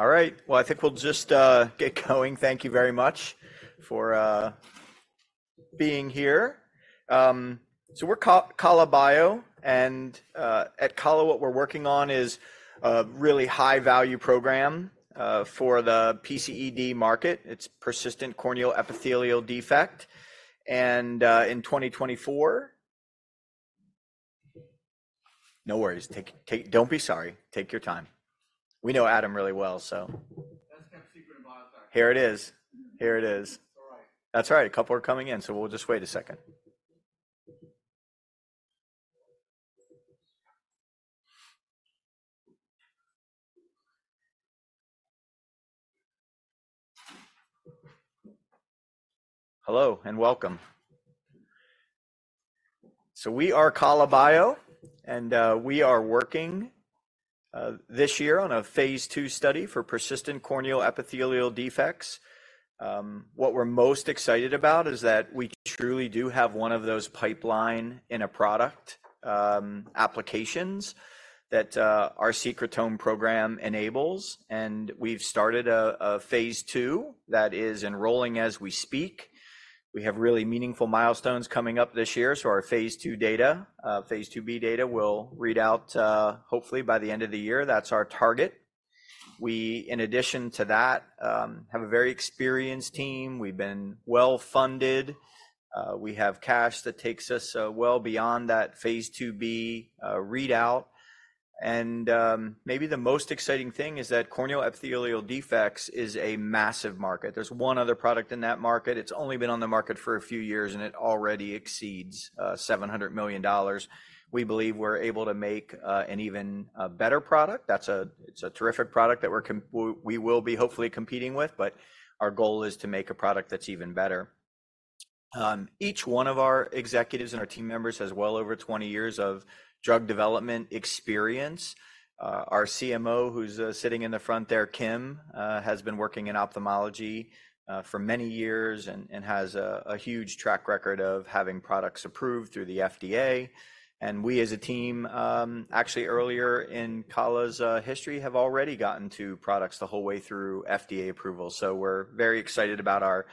All right, well, I think we'll just get going. Thank you very much for being here. So we're KALA BIO, and at Kala, what we're working on is a really high-value program for the PCED market. It's persistent corneal epithelial defect, and in 2024- No worries. Take... Don't be sorry. Take your time. We know Adam really well, so- That's kind of secret in biotech. Here it is. Here it is. It's all right. That's all right. A couple are coming in, so we'll just wait a second. Hello, and welcome. We are KALA BIO, and we are working this year on a phase II study for persistent corneal epithelial defects. What we're most excited about is that we truly do have one of those pipeline in a product applications that our secretome program enables, and we've started a phase II that is enrolling as we speak. We have really meaningful milestones coming up this year, so our phase II data, phase IIb data will read out, hopefully by the end of the year. That's our target. We, in addition to that, have a very experienced team. We've been well-funded. We have cash that takes us well beyond that Phase IIb readout, and maybe the most exciting thing is that corneal epithelial defects is a massive market. There's one other product in that market. It's only been on the market for a few years, and it already exceeds $700 million. We believe we're able to make an even better product. It's a terrific product that we're competing with, but our goal is to make a product that's even better. Each one of our executives and our team members has well over 20 years of drug development experience. Our CMO, who's sitting in the front there, Kim, has been working in ophthalmology for many years and has a huge track record of having products approved through the FDA. We as a team, actually earlier in Kala's history, have already gotten two products the whole way through FDA approval. We're very excited about our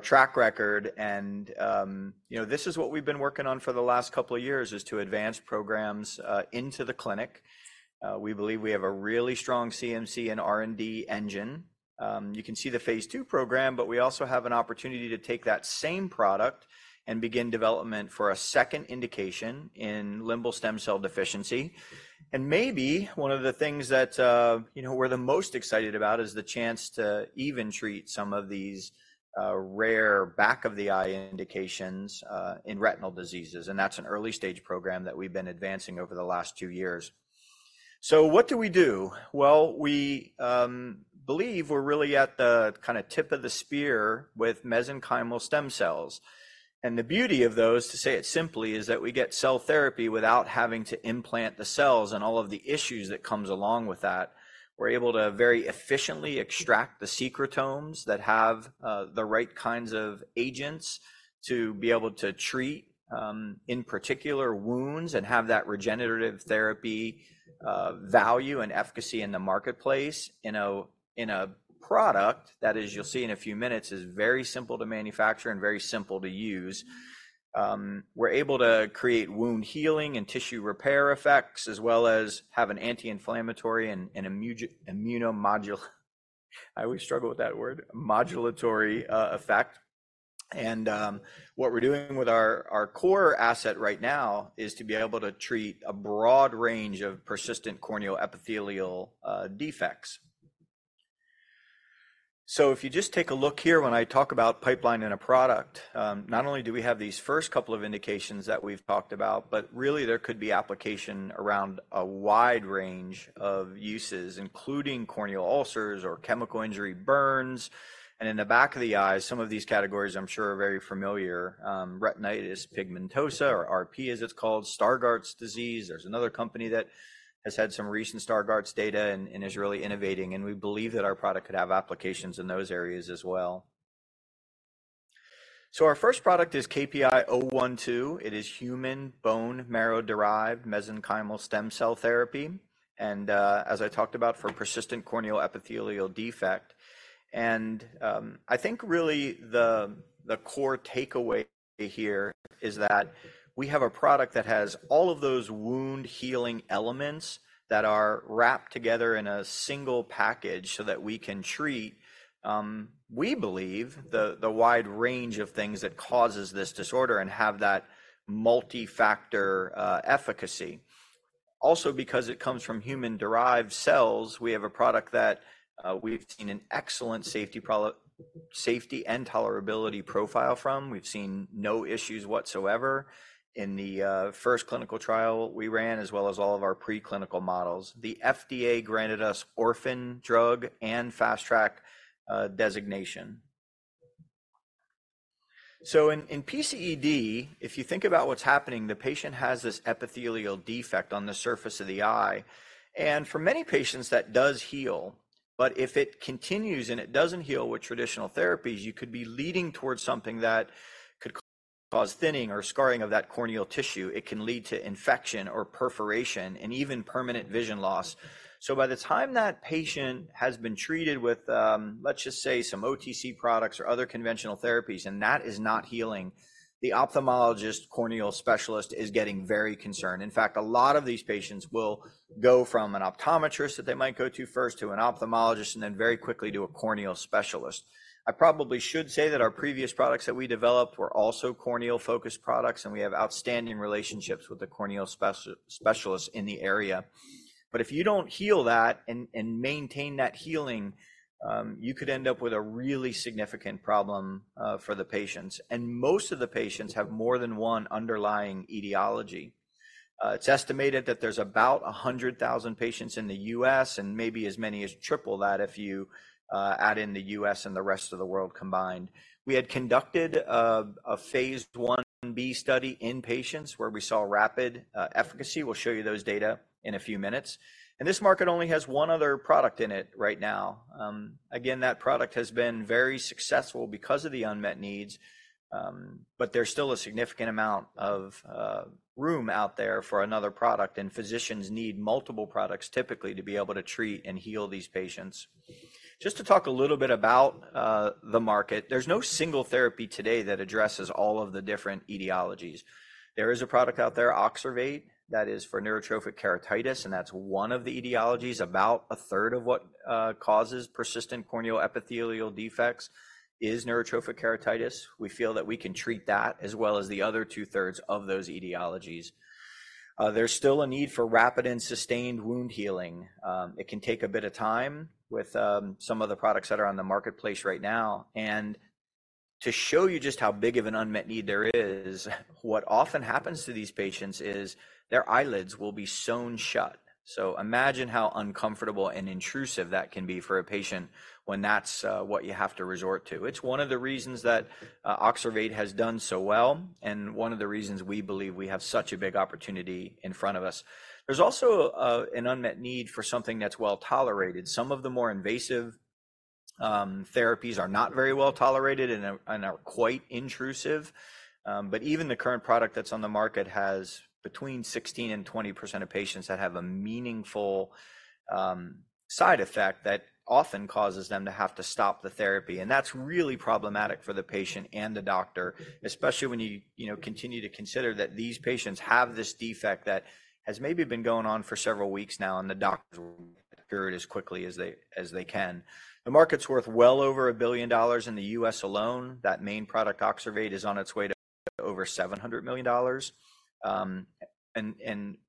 track record and, you know, this is what we've been working on for the last couple of years, is to advance programs into the clinic. We believe we have a really strong CMC and R&D engine. You can see the Phase II program, but we also have an opportunity to take that same product and begin development for a second indication in limbal stem cell deficiency. Maybe one of the things that, you know, we're the most excited about is the chance to even treat some of these, rare back-of-the-eye indications, in retinal diseases, and that's an early-stage program that we've been advancing over the last two years. What do we do? Well, we believe we're really at the kinda tip of the spear with mesenchymal stem cells. The beauty of those, to say it simply, is that we get cell therapy without having to implant the cells and all of the issues that comes along with that. We're able to very efficiently extract the secretomes that have the right kinds of agents to be able to treat, in particular, wounds and have that regenerative therapy value and efficacy in the marketplace in a product that, as you'll see in a few minutes, is very simple to manufacture and very simple to use. We're able to create wound healing and tissue repair effects, as well as have an anti-inflammatory and immunomodulatory effect. What we're doing with our core asset right now is to be able to treat a broad range of persistent corneal epithelial defects. So if you just take a look here, when I talk about pipeline in a product, not only do we have these first couple of indications that we've talked about, but really there could be application around a wide range of uses, including corneal ulcers or chemical injury burns. In the back of the eye, some of these categories I'm sure are very familiar. Retinitis pigmentosa or RP, as it's called, Stargardt's disease. There's another company that has had some recent Stargardt's data and is really innovating, and we believe that our product could have applications in those areas as well. So our first product is KPI-012. It is human bone marrow-derived mesenchymal stem cell therapy, and, as I talked about, for persistent corneal epithelial defect. I think really the core takeaway here is that we have a product that has all of those wound-healing elements that are wrapped together in a single package so that we can treat, we believe, the wide range of things that causes this disorder and have that multifactor efficacy. Also, because it comes from human-derived cells, we have a product that we've seen an excellent safety and tolerability profile from. We've seen no issues whatsoever in the first clinical trial we ran, as well as all of our preclinical models. The FDA granted us Orphan Drug and Fast Track designation. So in PCED, if you think about what's happening, the patient has this epithelial defect on the surface of the eye, and for many patients, that does heal. But if it continues and it doesn't heal with traditional therapies, you could be leading towards something that could cause thinning or scarring of that corneal tissue. It can lead to infection or perforation and even permanent vision loss. So by the time that patient has been treated with, let's just say some OTC products or other conventional therapies, and that is not healing, the ophthalmologist corneal specialist is getting very concerned. In fact, a lot of these patients will go from an optometrist that they might go to first, to an ophthalmologist, and then very quickly to a corneal specialist. I probably should say that our previous products that we developed were also corneal-focused products, and we have outstanding relationships with the corneal specialists in the area. But if you don't heal that and maintain that healing, you could end up with a really significant problem for the patients, and most of the patients have more than one underlying etiology. It's estimated that there's about 100,000 patients in the US and maybe as many as triple that if you add in the US and the rest of the world combined. We had conducted a Phase Ib study in patients where we saw rapid efficacy. We'll show you those data in a few minutes, and this market only has one other product in it right now. Again, that product has been very successful because of the unmet needs, but there's still a significant amount of room out there for another product, and physicians need multiple products typically to be able to treat and heal these patients. Just to talk a little bit about the market, there's no single therapy today that addresses all of the different etiologies. There is a product out there, Oxervate, that is for neurotrophic keratitis, and that's one of the etiologies. About a third of what causes persistent corneal epithelial defects is neurotrophic keratitis. We feel that we can treat that as well as the other 2/3 of those etiologies. There's still a need for rapid and sustained wound healing. It can take a bit of time with some of the products that are on the marketplace right now. And to show you just how big of an unmet need there is, what often happens to these patients is their eyelids will be sewn shut. So imagine how uncomfortable and intrusive that can be for a patient when that's what you have to resort to. It's one of the reasons that Oxervate has done so well and one of the reasons we believe we have such a big opportunity in front of us. There's also an unmet need for something that's well-tolerated. Some of the more invasive therapies are not very well-tolerated and are quite intrusive. But even the current product that's on the market has between 16% to 20% of patients that have a meaningful side effect that often causes them to have to stop the therapy, and that's really problematic for the patient and the doctor, especially when you know continue to consider that these patients have this defect that has maybe been going on for several weeks now, and the doctor will cure it as quickly as they can. The market's worth well over $1 billion in the US alone. That main product, Oxervate, is on its way to over $700 million. And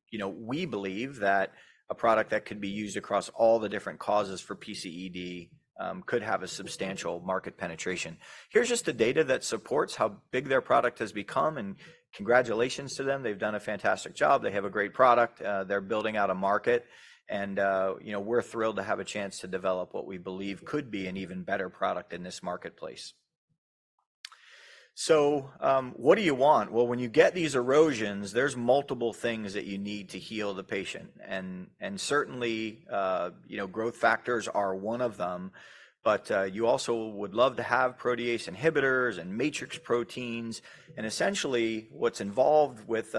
you know, we believe that a product that could be used across all the different causes for PCED could have a substantial market penetration. Here's just the data that supports how big their product has become, and congratulations to them. They've done a fantastic job. They have a great product. They're building out a market and you know, we're thrilled to have a chance to develop what we believe could be an even better product in this marketplace. So, what do you want? Well, when you get these erosions, there's multiple things that you need to heal the patient and certainly you know, growth factors are one of them. But you also would love to have protease inhibitors and matrix proteins, and essentially, what's involved with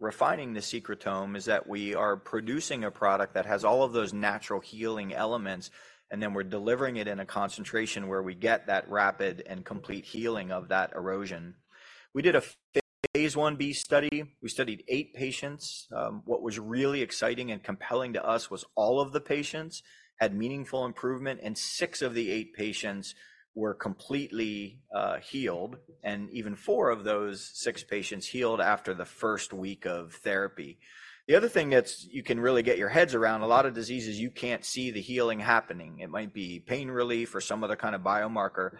refining the secretome is that we are producing a product that has all of those natural healing elements, and then we're delivering it in a concentration where we get that rapid and complete healing of that erosion. We did a phase Ib study. We studied 8 patients. What was really exciting and compelling to us was all of the patients had meaningful improvement, and 6 of the 8 patients were completely healed, and even 4 of those 6 patients healed after the first week of therapy. The other thing that's... You can really get your heads around, a lot of diseases, you can't see the healing happening. It might be pain relief or some other kind of biomarker.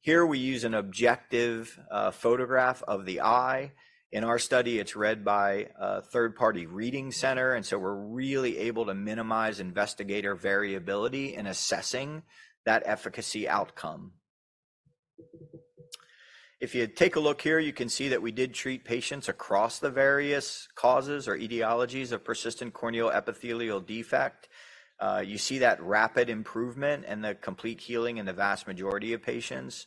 Here, we use an objective photograph of the eye. In our study, it's read by a third-party reading center, and so we're really able to minimize investigator variability in assessing that efficacy outcome. If you take a look here, you can see that we did treat patients across the various causes or etiologies of persistent corneal epithelial defect. You see that rapid improvement and the complete healing in the vast majority of patients.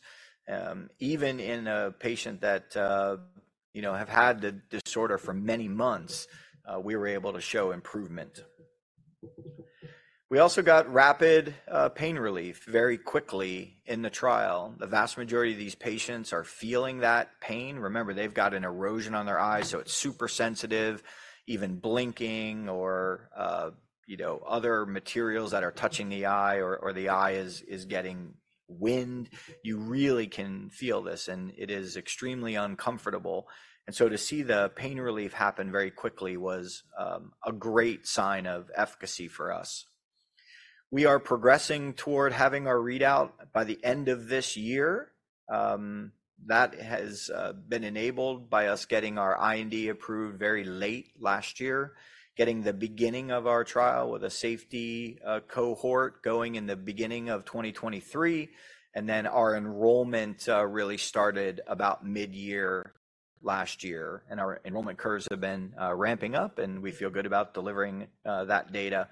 Even in a patient that, you know, have had the disorder for many months, we were able to show improvement. We also got rapid pain relief very quickly in the trial. The vast majority of these patients are feeling that pain. Remember, they've got an erosion on their eyes, so it's super sensitive. Even blinking or, you know, other materials that are touching the eye or the eye is getting wind, you really can feel this, and it is extremely uncomfortable. So to see the pain relief happen very quickly was a great sign of efficacy for us. We are progressing toward having our readout by the end of this year. That has been enabled by us getting our IND approved very late last year, getting the beginning of our trial with a safety cohort going in the beginning of 2023, and then our enrollment really started about mid-year last year, and our enrollment curves have been ramping up, and we feel good about delivering that data.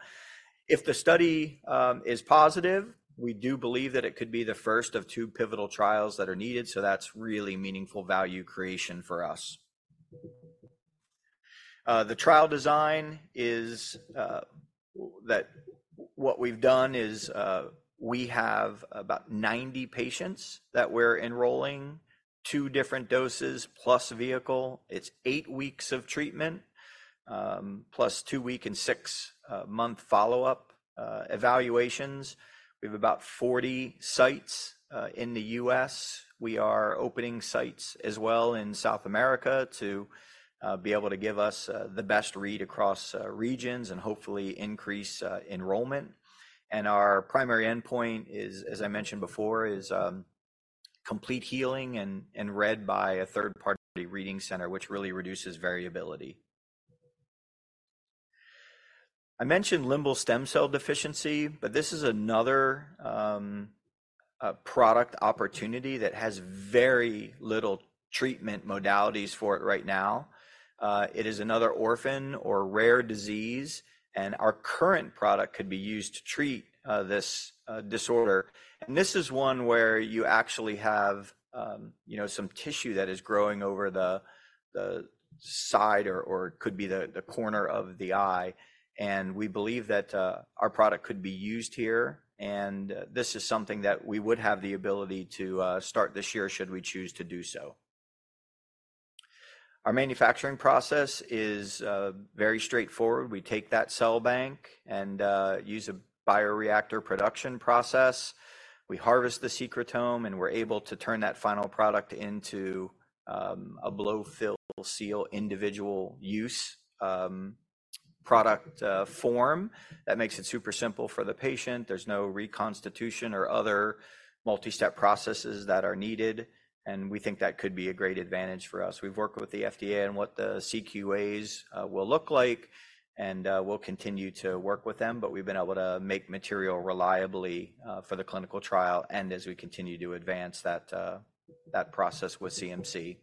If the study is positive, we do believe that it could be the first of two pivotal trials that are needed, so that's really meaningful value creation for us. The trial design is that what we've done is we have about 90 patients that we're enrolling, 2 different doses plus vehicle. It's 8 weeks of treatment, plus 2-week and 6-month follow-up evaluations. We have about 40 sites in the US We are opening sites as well in South America to be able to give us the best read across regions and hopefully increase enrollment. And our primary endpoint is, as I mentioned before, complete healing and read by a third-party reading center, which really reduces variability. I mentioned limbal stem cell deficiency, but this is another, product opportunity that has very little treatment modalities for it right now. It is another orphan or rare disease, and our current product could be used to treat, this, disorder. This is one where you actually have, you know, some tissue that is growing over the side or could be the corner of the eye, and we believe that, our product could be used here, and this is something that we would have the ability to, start this year should we choose to do so. Our manufacturing process is, very straightforward. We take that cell bank and, use a bioreactor production process. We harvest the secretome, and we're able to turn that final product into, a blow-fill-seal individual use, product, form. That makes it super simple for the patient. There's no reconstitution or other multi-step processes that are needed, and we think that could be a great advantage for us. We've worked with the FDA on what the CQAs will look like, and we'll continue to work with them, but we've been able to make material reliably for the clinical trial and as we continue to advance that process with CMC.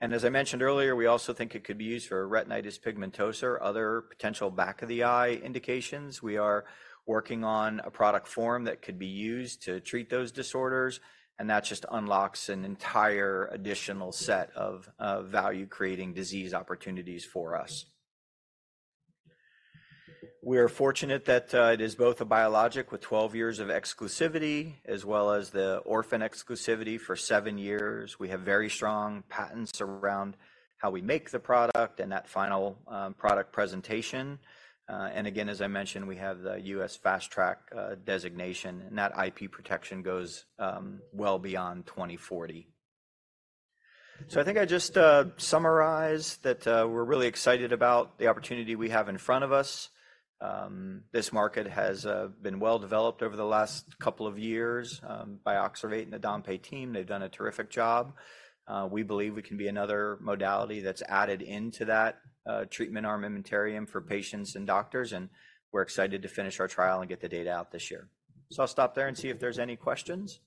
And as I mentioned earlier, we also think it could be used for Retinitis Pigmentosa or other potential back-of-the-eye indications. We are working on a product form that could be used to treat those disorders, and that just unlocks an entire additional set of value-creating disease opportunities for us. We are fortunate that it is both a biologic with 12 years of exclusivity, as well as the orphan exclusivity for 7 years. We have very strong patents around how we make the product and that final product presentation. And again, as I mentioned, we have the US Fast Track designation, and that IP protection goes well beyond 2040. So I think I just summarize that we're really excited about the opportunity we have in front of us. This market has been well developed over the last couple of years by Oxervate and the Dompé team. They've done a terrific job. We believe we can be another modality that's added into that treatment armamentarium for patients and doctors, and we're excited to finish our trial and get the data out this year. So I'll stop there and see if there's any questions.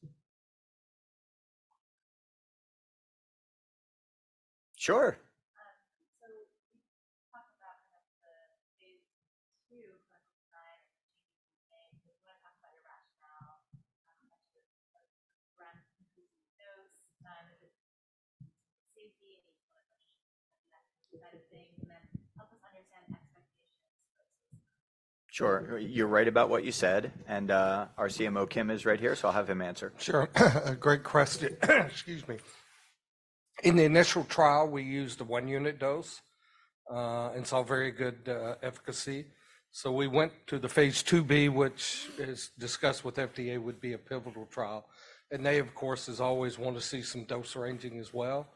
Sure. So, you talked about like the phase II design and changing things. You want to talk about your rationale, how much of those design, safety, and efficacy question, that kind of thing, and then help us understand the expectations? Sure. You're right about what you said, and our CMO, Kim, is right here, so I'll have him answer. Sure. A great question. Excuse me. In the initial trial, we used the 1-unit dose and saw very good efficacy. So we went to the phase IIb, which as discussed with FDA, would be a pivotal trial. And they, of course, as always, want to see some dose ranging as well.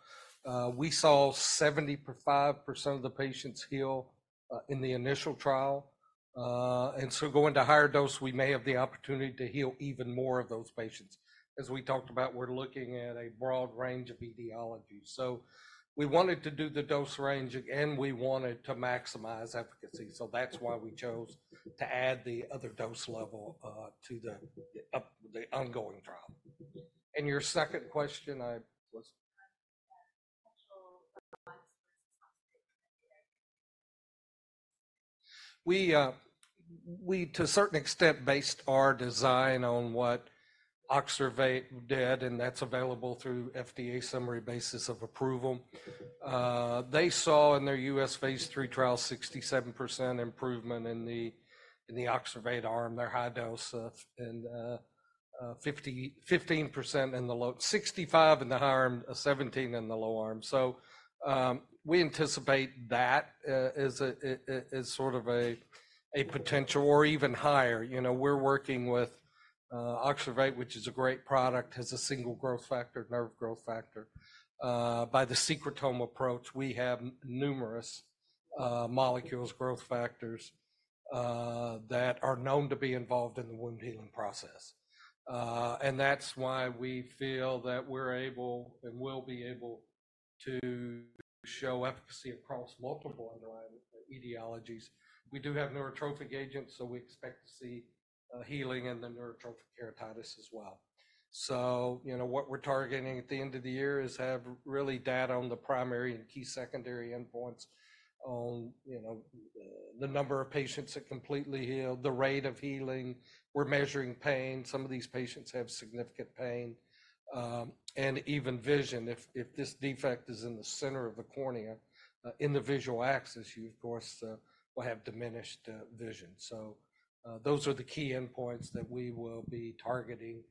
We saw 75% of the patients heal in the initial trial. And so going to higher dose, we may have the opportunity to heal even more of those patients. As we talked about, we're looking at a broad range of etiologies. So we wanted to do the dose range, and we wanted to maximize efficacy, so that's why we chose to add the other dose level to the ongoing trial. And your second question, I was- Actual months versus... We, to a certain extent, based our design on what Oxervate did, and that's available through FDA Summary Basis of Approval. They saw in their US phase III trial, 67% improvement in the Oxervate arm, their high dose... 65% in the high arm, 17% in the low arm. So, we anticipate that, as sort of a potential or even higher. You know, we're working with Oxervate, which is a great product, has a single growth factor, nerve growth factor. By the secretome approach, we have numerous molecules, growth factors that are known to be involved in the wound healing process. And that's why we feel that we're able and will be able to show efficacy across multiple underlying etiologies. We do have neurotrophic agents, so we expect to see healing in the Neurotrophic Keratitis as well. So, you know, what we're targeting at the end of the year is to have really data on the primary and key secondary endpoints on, you know, the number of patients that completely healed, the rate of healing. We're measuring pain. Some of these patients have significant pain, and even vision. If this defect is in the center of the cornea, in the visual axis, you, of course, will have diminished vision. So, those are the key endpoints that we will be targeting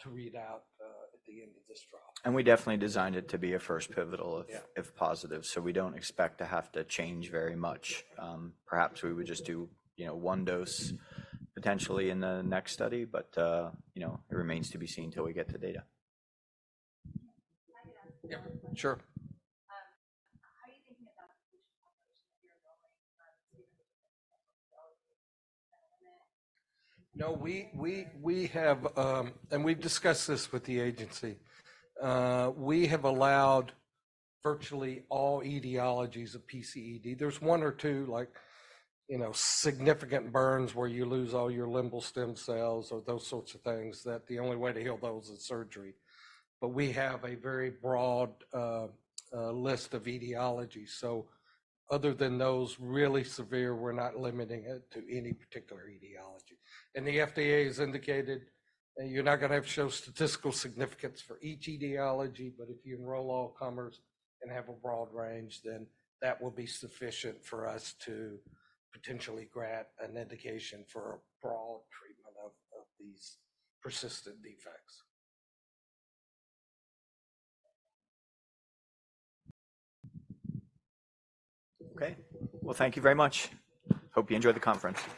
to read out at the end of this trial. We definitely designed it to be a first pivotal if positive, so we don't expect to have to change very much. Perhaps we would just do, you know, one dose potentially in the next study, but, you know, it remains to be seen till we get the data. Can I ask a question? Yep, sure. How are you thinking about the population that you're going? No, we have... And we've discussed this with the agency. We have allowed virtually all etiologies of PCED. There's one or two, like, you know, significant burns, where you lose all your limbal stem cells or those sorts of things, that the only way to heal those is surgery. But we have a very broad list of etiologies. So other than those really severe, we're not limiting it to any particular etiology. And the FDA has indicated that you're not going to have to show statistical significance for each etiology, but if you enroll all comers and have a broad range, then that will be sufficient for us to potentially grant an indication for a broad treatment of these persistent defects. Okay. Well, thank you very much. Hope you enjoy the conference.